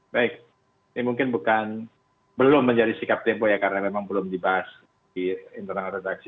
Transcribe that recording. baik ini mungkin bukan belum menjadi sikap tempo ya karena memang belum dibahas di internal redaksi